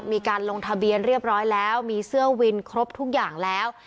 มีการลงทะเบียนเรียบร้อยแล้วมีเสื้อวินครบทุกอย่างแล้ว